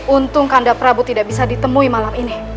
untung kanda prabu tidak bisa ditemui malam ini